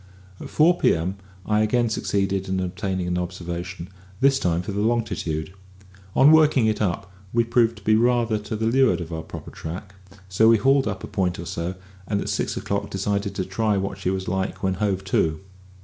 At four p.m. I again succeeded in obtaining an observation, this lime for the longitude. On working it up, we proved to be rather to leeward of our proper track; so we hauled up a point or so, and at six o'clock decided to try what she was like when hove to.